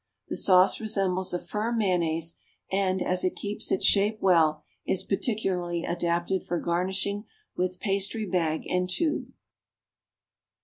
The sauce resembles a firm mayonnaise, and, as it keeps its shape well, is particularly adapted for garnishing with pastry bag and tube.